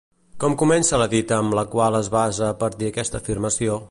Com comença la dita amb la qual es basa per dir aquesta afirmació?